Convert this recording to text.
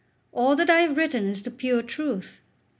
All that I have written is the pure truth.